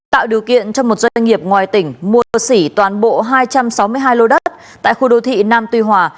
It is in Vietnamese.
tạo điều kiện cho một doanh nghiệp ngoài tỉnh mua xỉ toàn bộ hai trăm sáu mươi hai lô đất tại khu đô thị nam tuy hòa